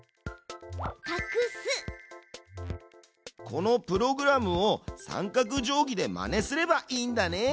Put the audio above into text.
このプログラムを三角定規でまねすればいいんだね。